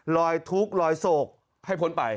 ลอยทุกข์ลอยโศกให้ผลไป